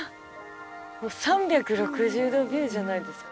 ３６０度ビューじゃないですか。